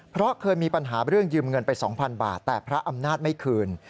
เพราะเคยมีปัญหาเรื่องยืมเงินไป๒๐๐บาทแต่พระอำนาจไม่คืน